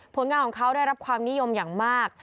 ผลงานของเขาได้รับความนิยมอย่างมาก